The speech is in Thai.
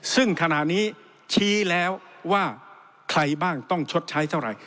ซึ่งขณะนี้ชี้แล้วว่าใครบ้างต้องชดใช้เท่าไหร่